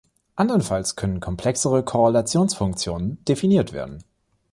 Andernfalls können komplexere Korrelationsfunktionen definiert werden.